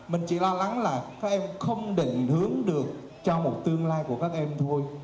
mình chỉ lo lắng là các em không định hướng được cho một tương lai của các em thôi